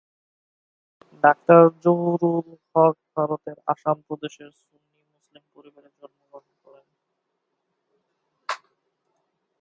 Doctor Zahurul Haque ভারতের আসাম প্রদেশের সুন্নি মুসলিম পরিবারে জন্মগ্রহণ করেন।